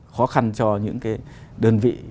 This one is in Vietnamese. khó khăn cho những cái đơn vị